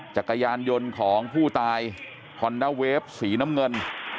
จักรยานยนต์ของผู้ตายฮอนด้าเวฟสีน้ำเงิน